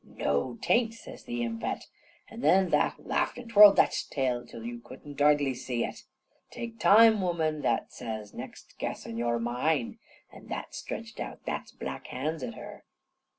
"Noo, tain't," says the impet. An' then that laughed an' twirled that's tail till yew cou'n't hardly see it. "Take time, woman," that says; "next guess, an' you're mine." An' that stretched out that's black hands at her.